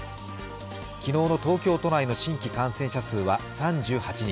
昨日の東京都内の新規感染者数は３８人。